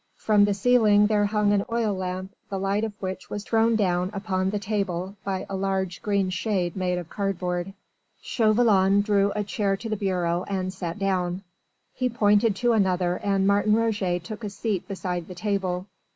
From the ceiling there hung an oil lamp the light of which was thrown down upon the table, by a large green shade made of cardboard. Chauvelin drew a chair to the bureau and sat down; he pointed to another and Martin Roget took a seat beside the table.